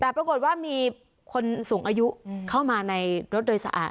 แต่ปรากฏว่ามีคนสูงอายุเข้ามาในรถโดยสะอาด